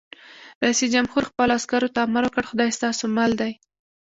رئیس جمهور خپلو عسکرو ته امر وکړ؛ خدای ستاسو مل دی!